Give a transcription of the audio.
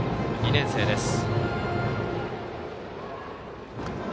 ２年生です。